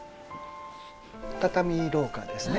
畳廊下ですね。